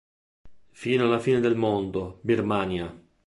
Fino alla fine del mondo, Birmania!